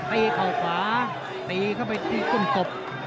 เข่าขวาตีเข้าไปตีกุ้งกบ